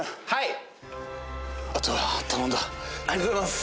はい！